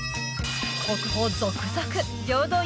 国宝続々！